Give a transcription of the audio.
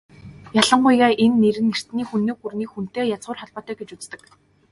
Ялангуяа энэ нэр нь эртний Хүннү гүрний "Хүн"-тэй язгуур холбоотой гэж үздэг.